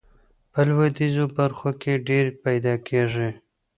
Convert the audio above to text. په لویدیځو برخو کې ډیرې پیداکیږي.